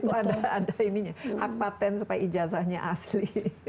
itu ada ini ya hak patent supaya ijazahnya asli